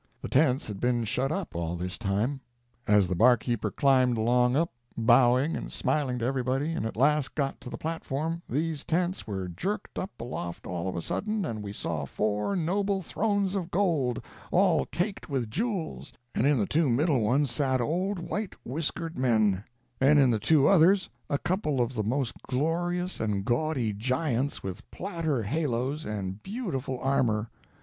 The tents had been shut up all this time. As the barkeeper climbed along up, bowing and smiling to everybody, and at last got to the platform, these tents were jerked up aloft all of a sudden, and we saw four noble thrones of gold, all caked with jewels, and in the two middle ones sat old white whiskered men, and in the two others a couple of the most glorious and gaudy giants, with platter halos and beautiful armor.